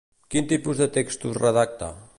Quin tipus de textos redacta?